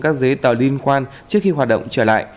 các giấy tờ liên quan trước khi hoạt động trở lại